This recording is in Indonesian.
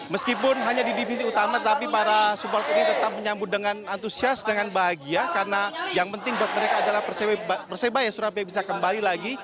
meskipun hanya di divisi utama tapi para supporter ini tetap menyambut dengan antusias dengan bahagia karena yang penting buat mereka adalah persebaya surabaya bisa kembali lagi